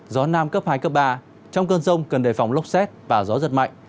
gió nam cấp hai cấp ba trong cơn rông cần đề phòng lốc xét và gió giật mạnh